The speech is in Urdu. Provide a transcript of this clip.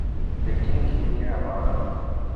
لیکن کیونکہ ہمارا